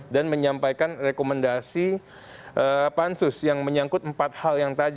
dan menyampaikan rekomendasi pansus yang menyangkut empat hal yang tadi